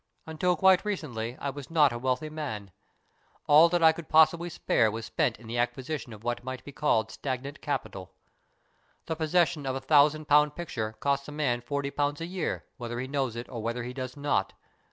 Until quite recently I was not a wealthy man. All that I could possibly spare was spent in the acquisition of what might be called stagnant capital. The possession of a thousand pound picture costs a man forty pounds a year, whether he knows it or whether he does not.